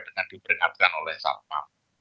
dengan diberikan oleh satma